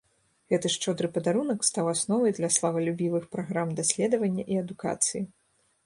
Гэты шчодры падарунак стаў асновай для славалюбівых праграм даследавання і адукацыі.